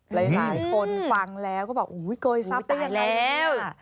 หลายคนฟังแล้วก็บอกโกยทรัพย์ตายแล้ว